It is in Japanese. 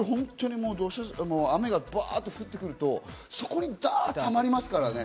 雨がバっと降ってくるとそこにダっとたまりますからね。